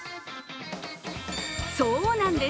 そうなんです。